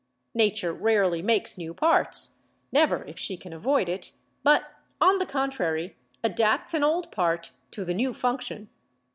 Nature rarely makes new parts — never, if she can avoid it — but, on the contrary, adapts an old part to the new function.